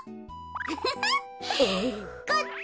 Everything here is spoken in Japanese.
フフフ。こっち！